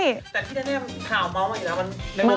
แต่พี่แดนเนี่ยข่าวเมาส์มันอยู่นะ